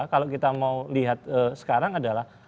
kalau kita mau lihat sekarang adalah